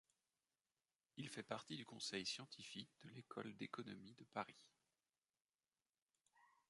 Il fait partie du conseil scientifique de l'École d'économie de Paris.